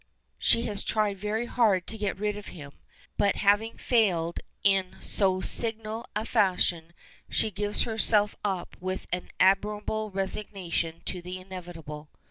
She has tried very hard to get rid of him, but, having failed in so signal a fashion, she gives herself up with an admirable resignation to the inevitable.